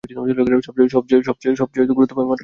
সবচেয়ে গুরুত্বপূর্ণ হচ্ছে ও বেড়ে উঠবে।